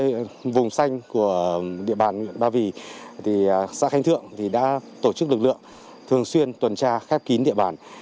để đảm bảo vùng xanh của địa bàn ba vì xã khánh thượng đã tổ chức lực lượng thường xuyên tuần tra khép kín địa bàn